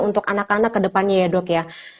untuk anak anak kedepannya ya dok ya